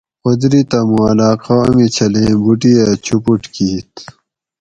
قدرتہ موں علاقہ امی چھلیں بوٹی ھہ چوپوٹ کِیت